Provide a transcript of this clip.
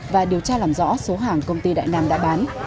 và điều tra làm rõ số hàng công ty đại nam đã bán